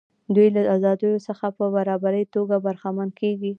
دوی له ازادیو څخه په برابره توګه برخمن کیږي.